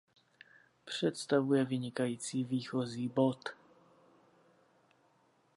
Představuje vynikající výchozí bod.